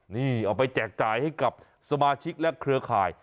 นี่เอาไปแจกจ่ายให้กับสมาชิกและเครือข่าย